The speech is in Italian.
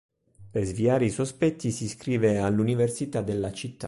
Per sviare i sospetti si iscrive all'università della città.